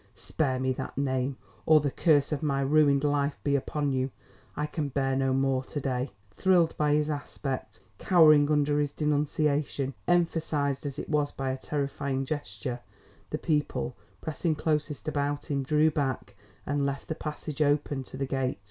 "Spare me that name, or the curse of my ruined life be upon you. I can bear no more to day." Thrilled by his aspect, cowering under his denunciation, emphasised as it was by a terrifying gesture, the people, pressing closest about him, drew back and left the passage open to the gate.